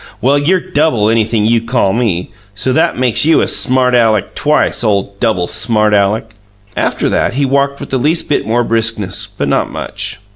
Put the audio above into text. "Well, you're double anything you call me, so that makes you a smart Aleck twice! Ole double smart Aleck!" After that, he walked with the least bit more briskness, but not much.